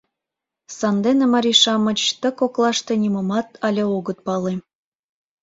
Сандене марий-шамыч ты коклаште нимомат але огыт пале.